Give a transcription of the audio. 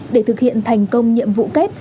để thực hiện thành công nhiệm vụ kép